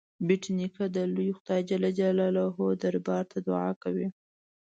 بېټ نیکه د لوی خدای جل جلاله دربار ته دعا کوي.